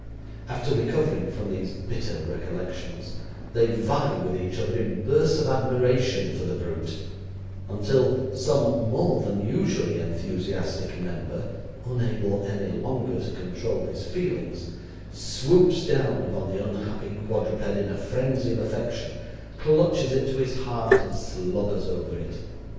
After recovering from these bitter recollections, they vie with each other in bursts of admiration for the brute, until some more than usually enthusiastic member, unable any longer to control his feelings, swoops down upon the unhappy quadruped in a frenzy of affection, clutches it to his heart, and slobbers over it.